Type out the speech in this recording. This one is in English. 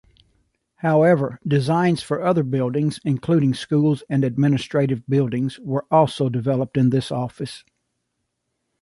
However, designs for other buildings, including schools and administrative buildings, were also developed in this office.